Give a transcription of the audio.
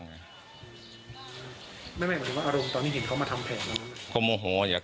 ไม่เหมือนว่าอารมณ์ตอนนี้เห็นเขามาทำแผลแล้วนะ